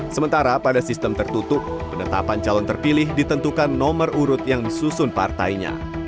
sementara pada sistem tertutup penetapan calon terpilih ditentukan nomor urut yang disusun partainya